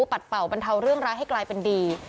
ปัดเป่าบรรเทาเรื่องร้ายให้กลายเป็นดี